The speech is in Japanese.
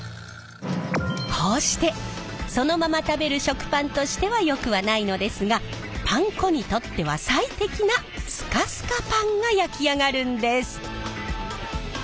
こうしてそのまま食べる食パンとしてはよくはないのですがパン粉にとっては最適なスカスカパンが焼き上がるんです！